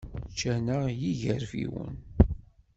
Ččan-aɣ yigerfiwen.